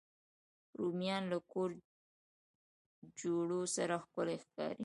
رومیان له کور جوړو سره ښکلي ښکاري